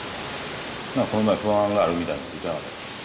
この前「不安がある」みたいなこと言ってなかった？